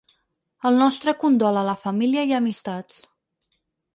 El nostre condol a la família i amistats.